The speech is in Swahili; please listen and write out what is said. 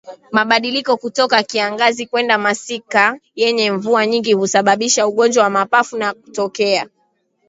Mabadiliko kutoka kiangazi kwenda masika yenye mvua nyingi husababisha ugonjwa wa mapafu kutokea